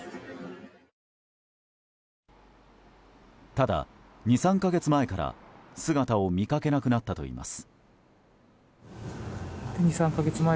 ただ２３か月前から姿を見かけなくなったといいます。